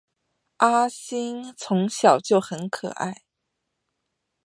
阿梓从小就很可爱